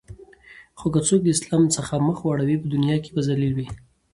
خو که څوک د اسلام څخه مخ واړوی په دنیا کی به ذلیل وی